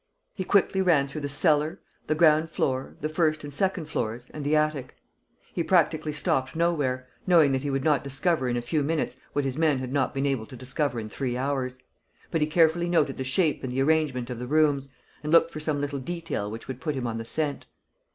He quickly ran through the cellar, the ground floor, the first and second floors and the attic. He practically stopped nowhere, knowing that he would not discover in a few minutes what his men had not been able to discover in three hours. But he carefully noted the shape and the arrangement of the rooms, and looked for some little detail which would put him on the scent.